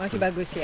masih bagus ya